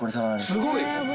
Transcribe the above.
すごい。